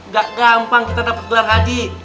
gak gampang kita dapat keluar haji